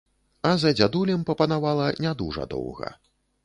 А за дзядулем папанавала не дужа доўга.